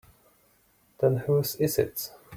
Then whose is it?